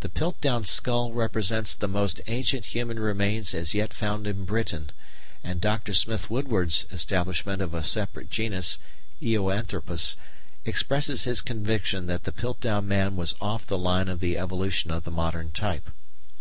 The Piltdown skull represents the most ancient human remains as yet found in Britain, and Dr. Smith Woodward's establishment of a separate genus Eoanthropus expresses his conviction that the Piltdown man was off the line of the evolution of the modern type.